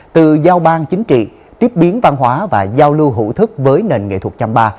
từ giao bang chính trị tiếp biến văn hóa và giao lưu hữu thức với nền nghệ thuật chăm ba